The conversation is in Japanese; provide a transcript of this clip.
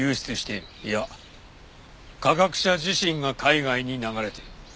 いや科学者自身が海外に流れている。